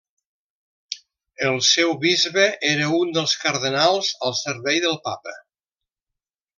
El seu bisbe era un dels cardenals al servei del Papa.